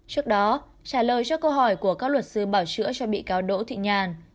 trước đó trả lời cho câu hỏi của các luật sư bảo chữa cho bị cáo đỗ thị nhàn